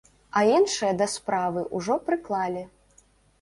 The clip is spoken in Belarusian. А іншае да справы ўжо прыклалі.